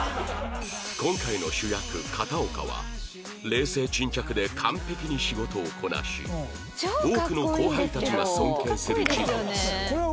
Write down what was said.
今回の主役片岡は冷静沈着で完璧に仕事をこなし多くの後輩たちが尊敬する人物